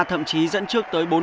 thậm chí dẫn trước tới bốn